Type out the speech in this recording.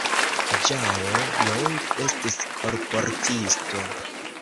Ĝao Jong estis kolportisto.